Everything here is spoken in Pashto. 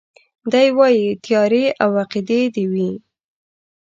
دی وايي تيارې او عقيدې دي وي